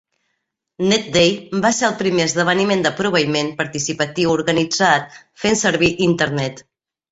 NetDay va ser el primer esdeveniment de proveïment participatiu organitzat fent servir Internet.